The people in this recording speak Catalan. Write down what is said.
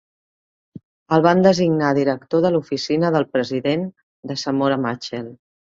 El van designar director de l'oficina del President de Samora Machel.